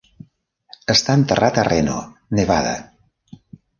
Està enterrat a Reno, Nevada.